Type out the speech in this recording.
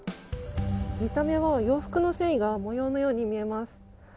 見た目は洋服の繊維のように見えます。